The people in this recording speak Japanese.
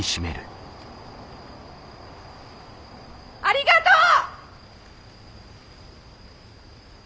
ありがとう！